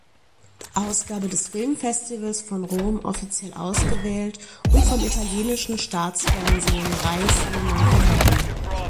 Ausgabe des Filmfestivals von Rom offiziell ausgewählt und vom italienischen Staatsfernsehen Rai Cinema erworben.